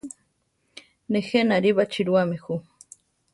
Nejé nari baʼchirúami ju.